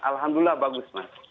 alhamdulillah bagus mas